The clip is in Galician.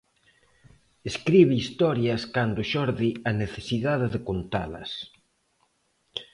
Escribe historias cando xorde a necesidade de contalas.